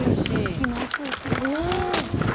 空気も薄いしね。